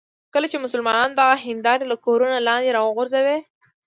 کله چې مسلمانان دغه هندارې له کورونو لاندې راوغورځوي.